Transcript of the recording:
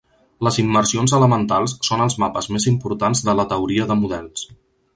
Les immersions elementals són els mapes més importants de la teoria de models.